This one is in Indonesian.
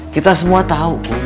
kita semua tahu kum